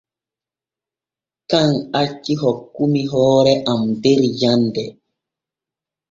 Kan acci hokkumi hoore am der janŋirde.